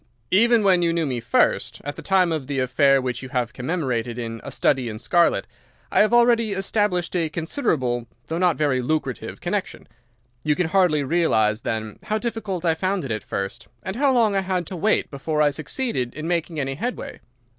Even when you knew me first, at the time of the affair which you have commemorated in 'A Study in Scarlet,' I had already established a considerable, though not a very lucrative, connection. You can hardly realize, then, how difficult I found it at first, and how long I had to wait before I succeeded in making any headway.